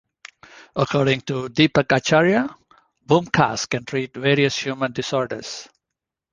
According to Deepak Acharya, Bhumkas can treat various human disorders.